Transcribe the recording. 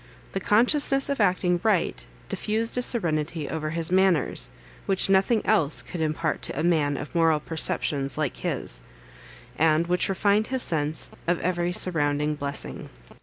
The consciousness of acting right diffused a serenity over his manners, which nothing else could impart to a man of moral perceptions like his, and which refined his sense of every surrounding blessing.